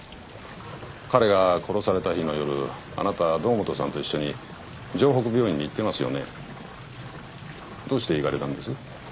彼が殺された日の夜あなた堂本さんと一緒に城北病院に行ってますよねどうして行かれたんです？